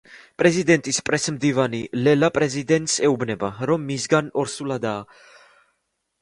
პრეზიდენტის პრესმდივანი ლელა პრეზიდენტს ეუბნება, რომ მისგან ორსულადაა.